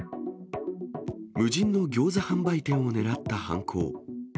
無人のギョーザ販売店を狙った犯行。